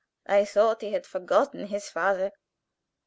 "I thought he had forgotten his father."